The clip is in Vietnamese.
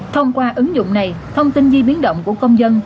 thông qua ứng dụng này thông tin di biến động của công dân